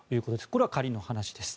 これは仮の話です。